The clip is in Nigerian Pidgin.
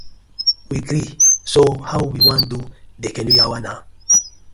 We gree, so how we wan do de canoe yawa naw?